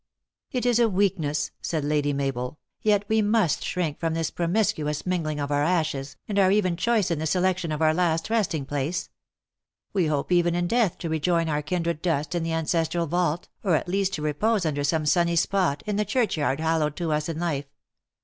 " It is a weakness," said Lady Mabel ;" yet we must shrink from this promiscuous mingling of our ashes, and are even choice in the selection of our last resting place. We hope even in death to rejoin our kindred dust in the ancestral vault, or at least to repose under some sunny spot, in the churchyard hal lowed to us in life.